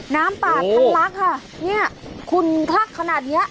น้ำปากทันลักษณ์ค่ะคุณพรรคขนาดนี้